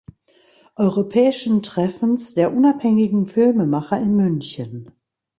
Europäischen Treffens der Unabhängigen Filmemacher in München.